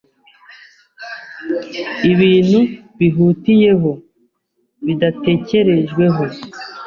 ibintu bihutiyeho, bidatekerejweho